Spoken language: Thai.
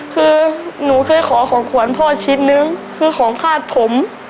คือหนูเคยขอของขวัญพ่อชิ้นนึงคือของคาดผม